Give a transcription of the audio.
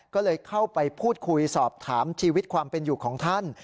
ก็เลยเข้าไปพูดคุยสอบถามชีวิตความเป็นอยู่ของท่าน